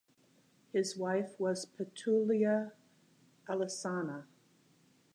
His wife was Pitolua Alesana.